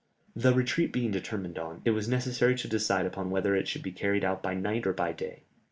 The retreat being determined upon, it was necessary to decide upon whether it should be carried out by night or by day.